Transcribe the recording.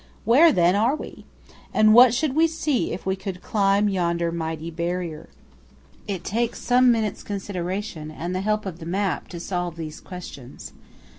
Where, then, are we? And what should we see if we could climb yonder mighty barrier? It takes some minutes' consideration and the help of the map, to solve these questions.